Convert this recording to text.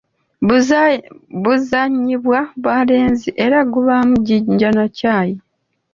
Buzannyibwa balenzi era gubaamu jjinja na kyayi.